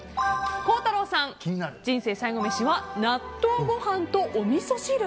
孝太郎さん、人生最後メシは納豆ご飯とおみそ汁。